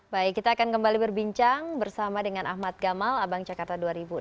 baik kita akan kembali berbincang bersama dengan ahmad gamal abang jakarta dua ribu enam belas